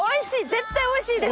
絶対おいしいです！